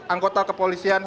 seratus anggota kepolisian